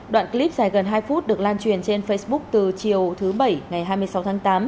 đoạn clip dài gần hai phút được lan truyền trên facebook từ chiều thứ bảy ngày hai mươi sáu tháng tám